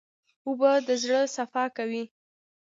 اوبه د زړه صفا کوي.